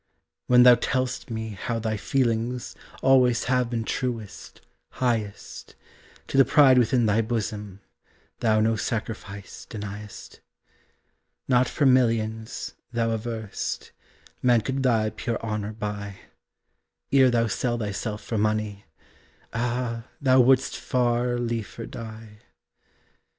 When thou tell'st me how thy feelings Always have been truest, highest, To the pride within thy bosom Thou no sacrifice denyest. Not for millions, thou averrest, Man could thy pure honor buy, Ere thou sell thyself for money Ah, thou wouldst far liefer die.